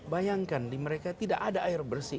bayangkan di mereka tidak ada air bersih